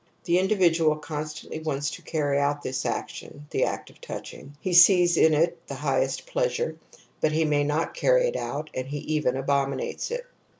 The individual con stantly wants to carry out this action (the act of touching), he sees in it the highest pleasure, but he may not carry it out, and he even abom inates it.